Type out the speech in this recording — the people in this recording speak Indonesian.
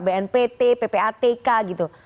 bnpt ppatk gitu